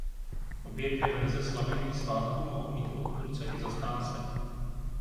Obě dvě verze slavení svátku mohou mít odpůrce i zastánce.